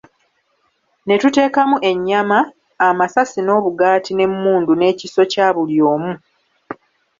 Ne tuteekamu ennyama, amasasi n'obugaati n'emmundu n'ekiso kya buli omu.